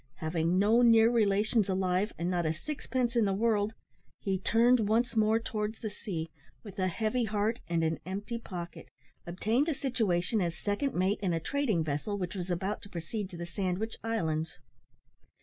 Having no near relations alive, and not a sixpence in the world, he turned once more towards the sea, with a heavy heart and an empty pocket, obtained a situation as second mate in a trading vessel which was about to proceed to the Sandwich Islands.